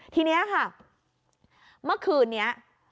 ทีนี้ค่ะเมื่อคืนนี้